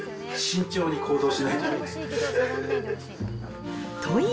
慎重に行動しないといけない。